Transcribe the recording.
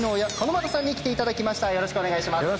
よろしくお願いします。